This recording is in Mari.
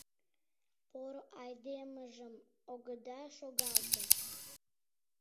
Поро айдемыжым огыда шогалте.